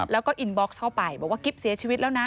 แล้วก็อินบ็อกซ์เข้าไปบอกว่ากิ๊บเสียชีวิตแล้วนะ